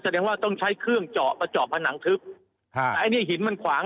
แสดงว่าต้องใช้เครื่องเจาะประเจาะผนังทึบฮะแต่อันนี้หินมันขวาง